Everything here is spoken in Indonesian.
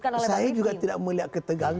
oleh pak jokowi saya juga tidak melihat ketegangan